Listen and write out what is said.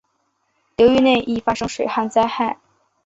流域内易发生水旱灾害。